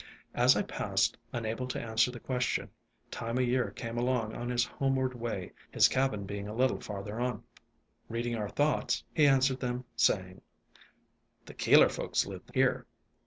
As I paused, unable to answer the question, Time o' Year came along on his homeward way, his cabin being a little farther on, Reading our thoughts, he answered them, saying: "The Keeler folks lived here.